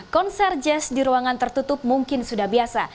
konser jazz di ruangan tertutup mungkin sudah biasa